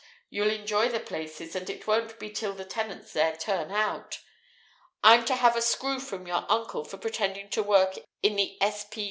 You'll enjoy the places. And it won't be till the tenants there turn out. I'm to have a screw from your uncle for pretending to work in the S. P.